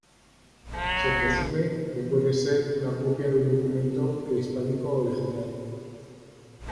Se presume que puede ser una copia de un documento prehispánico original.